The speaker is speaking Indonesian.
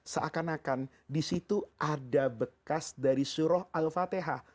seakan akan disitu ada bekas dari surah al fatihah